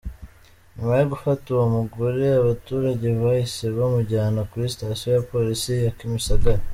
Nyuma yo gufata uwo mugore, abaturage bahise bamujyana kuri sitasiyo ya Polisi ya Kimisagara.